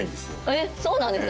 えっそうなんですか？